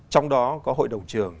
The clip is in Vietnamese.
trong đó có hội đồng trường